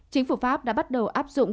chính phủ pháp đã bắt đầu áp dụng